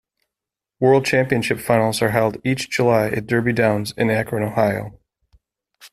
World Championship finals are held each July at Derby Downs in Akron, Ohio.